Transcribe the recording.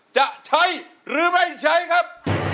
จะใช้หรือไม่ใช้ครับ